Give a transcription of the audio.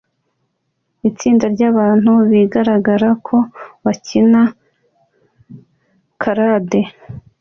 itsinda ryabantu bigaragara ko bakina charade